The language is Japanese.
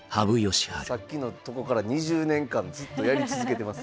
さっきのとこから２０年間ずっとやり続けてます。